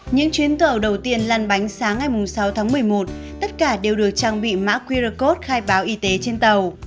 những chuyến tàu đầu tiên lăn bánh sáng ngày sáu tháng một mươi một tất cả đều được trang bị mã qr code khai báo y tế trên tàu